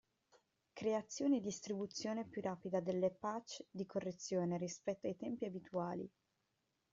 Creazione e distribuzione più rapida delle patch di correzione rispetto ai tempi abituali.